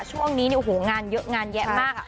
ช่วงนี้เนี่ยงานเยอะงานเยอะมาก